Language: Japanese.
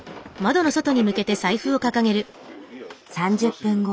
３０分後。